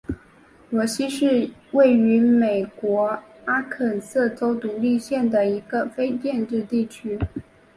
罗西是位于美国阿肯色州独立县的一个非建制地区。